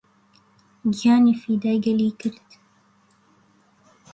گیانی فیدای گەلی کرد